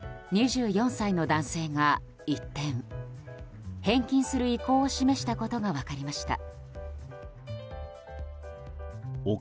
返金を拒否していた２４歳の男性が一転返金する意向を示したことが分かりました。